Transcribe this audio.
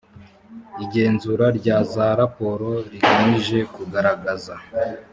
igenzura rya za raporo rigamije kugaragaza